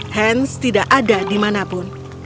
hans tidak ada dimanapun